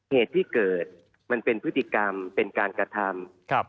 เหตุที่เกิดมันเป็นพฤติกรรมเป็นการกระทำ